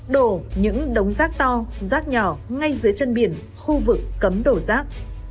đổ những đống rác to rác nhỏ ngay dưới chân biển khu vực cấm đổ rác